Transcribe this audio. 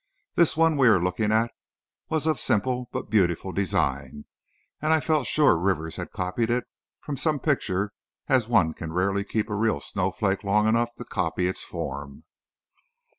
This one we were looking at was of simple but beautiful design and I felt sure Rivers had copied it from some picture as one can rarely keep a real snowflake long enough to copy its form.